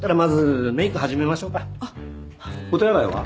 お手洗いは？